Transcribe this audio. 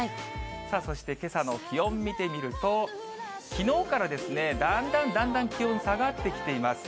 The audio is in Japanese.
そして、けさの気温見てみると、きのうからだんだんだんだん気温下がってきています。